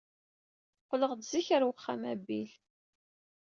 Qqel-d zik ɣer uxxam a Bill.